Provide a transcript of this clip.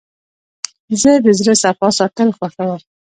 زه د زړه صفا ساتل خوښوم.